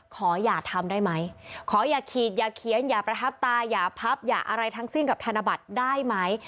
ขออย่าทำได้ไหมขออย่าขีดอย่าเขียนอย่าประทับตาอย่าพับอย่าอะไรทั้งสิ้นกับธนบัตรได้ไหม